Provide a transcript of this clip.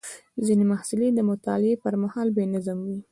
ځینې محصلین د مطالعې پر مهال بې نظم وي.